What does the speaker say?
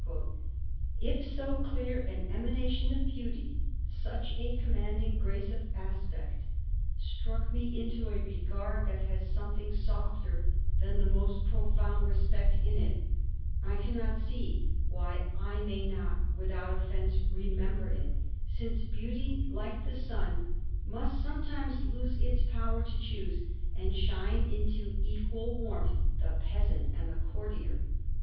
* If so clear an emanation of beauty, such a commanding grace of aspect, struck me into a regard that had something softer than the most profound respect in it, I cannot see why I may not without offence remember it, since beauty, like the sun, must sometimes lose its power to choose, and shine into equal warmth the peasant and the courtier.'